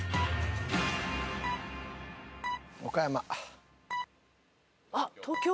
岡山！